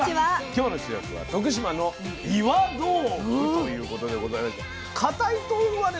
今日の主役は徳島の岩豆腐ということでございまして固い豆腐はね